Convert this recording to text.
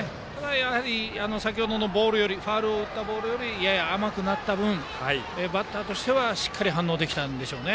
先ほどのファウルを打ったボールよりやや甘くなった分バッターとしてはしっかり反応できたんでしょうね。